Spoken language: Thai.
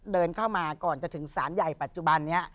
เดินเข้ามาก่อนจะถึงศาลใหญ่ปัจจุบันนี้